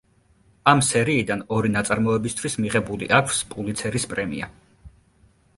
ამ სერიიდან ორი ნაწარმოებისთვის მიღებული აქვს პულიცერის პრემია.